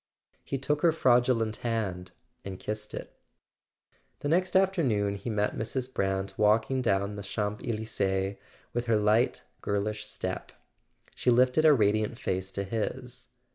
He took her fraudulent hand and kissed it. The next afternoon he met Mrs. Brant walking down the Champs Elysees with her light girlish step. She lifted a radiant face to his.